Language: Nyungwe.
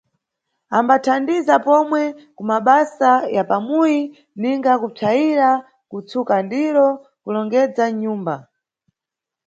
Ambathandiza pomwe kumabasa ya pamuyi ninga kupsayira, kutsuka ndiro, kulongedza nʼnyumba.